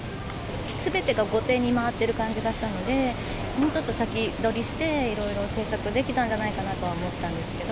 すべてが後手に回ってる感じがしたので、もうちょっと先取りして、いろいろ政策できたんじゃないかなと思ったんですけど。